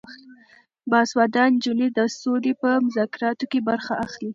باسواده نجونې د سولې په مذاکراتو کې برخه اخلي.